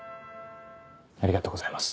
ありがとうございます。